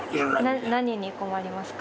何に困りますか？